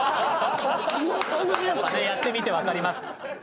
やってみてわかります。